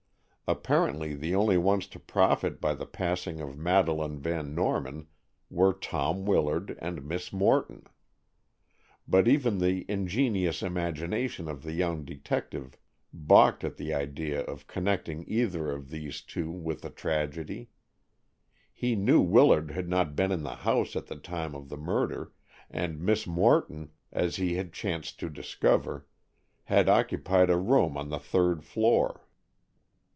Apparently the only ones to profit by the passing of Madeleine Van Norman were Tom Willard and Miss Morton. But even the ingenious imagination of the young detective balked at the idea of connecting either of these two with the tragedy. He knew Willard had not been in the house at the time of the murder, and Miss Morton, as he had chanced to discover, had occupied a room on the third floor.